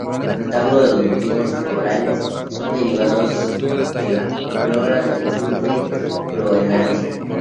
Retablo de los motivos florales son derivados de la flora del sur de Groenlandia.